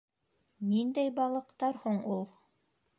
Ниндәй балыҡтар һуң ул?